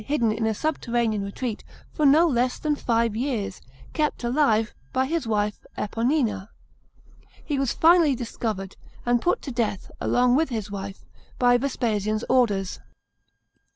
CHAP, xx hidden in a subterranean retreat for no less than five years, kept alive by his wife Epponina. He was finally discovered, and put to death, along with his wife, by Vespasian's orders.